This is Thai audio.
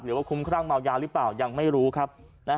หรือว่าคุ้มคร่างเมายาหรือเปล่ายังไม่รู้ครับ